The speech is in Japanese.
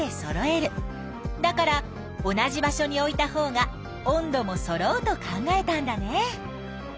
だから同じ場所に置いたほうが温度もそろうと考えたんだね。